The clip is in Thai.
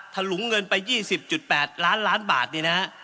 ถลุงเงินไป๒๐๘ล้านล้านบาทนี่นะฮะ